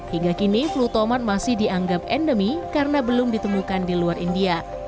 hingga kini flu tomat masih dianggap endemi karena belum ditemukan di luar india